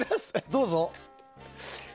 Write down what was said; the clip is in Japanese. どうぞ。